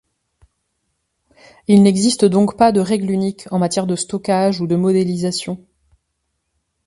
Il n’existe donc pas de règle unique en matière de stockage ou de modélisation.